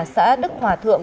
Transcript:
xã đức hòa thượng